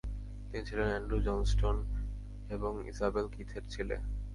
তিনি ছিলেন Andrew Johnston এবং ইসাবেল কিথের ছেলে।